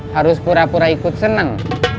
harus pura pura ikut senang